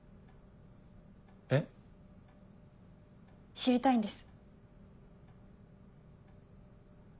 知りたいんです。